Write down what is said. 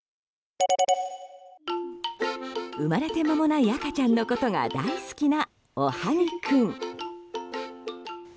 生まれて間もない赤ちゃんのことが大好きなおはぎ君。